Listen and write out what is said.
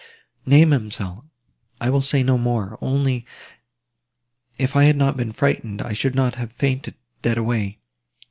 "Nay, ma'amselle, I will say no more, only, if I had not been frightened, I should not have fainted dead away so.